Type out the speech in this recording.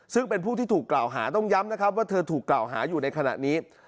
ซึ่งเป็นผู้ที่ถูกกล่าวหาต้องย้ำนะครับว่าเธอถูกกล่าวหาอยู่ในขณะนี้